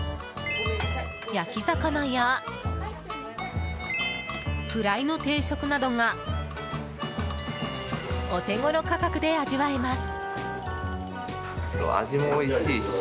焼き魚や、フライの定食などがお手ごろ価格で味わえます。